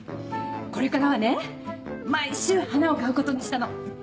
これからはね毎週花を買うことにしたの。